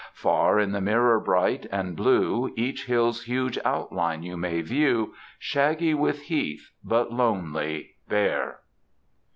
Far in tbe mirror bright and blue Each hill's huge outline you may view^ Shaggy with heathy but lonely, bare.